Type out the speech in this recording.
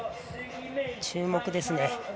注目ですね。